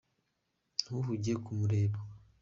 Ntuhuge kumureba